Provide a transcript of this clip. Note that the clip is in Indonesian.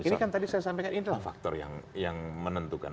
ini kan tadi saya sampaikan inilah faktor yang menentukan